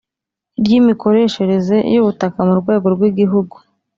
ry imikoreshereze y ubutaka ku rwego rw Igihugu